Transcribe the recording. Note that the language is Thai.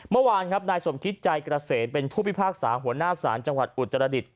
เมื่อวานครับนายสมคิดใจเกษตรเป็นผู้พิพากษาหัวหน้าศาลจังหวัดอุตรดิษฐ